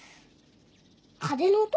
風の音？